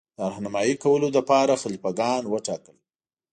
د رهنمايي کولو لپاره خلیفه ګان وټاکل.